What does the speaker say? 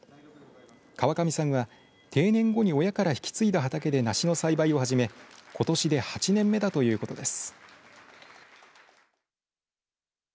川上さんは、定年後に親から引き継いだ畑で梨の栽培を始め、ことしで８年目だということです。